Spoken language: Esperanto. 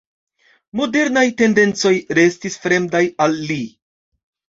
Modernaj tendencoj restis fremdaj al li.